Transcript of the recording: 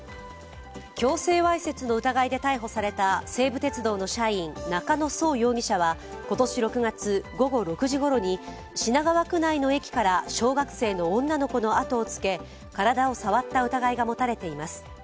強制わいせつの疑いで逮捕された西武鉄道の社員、中野聡容疑者は今年６月、午後６時ごろに品川区内の駅から小学生の女の子の後をつけ、体を触った疑いが持たれています。